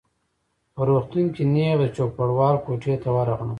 په روغتون کي نیغ د چوپړوال کوټې ته ورغلم.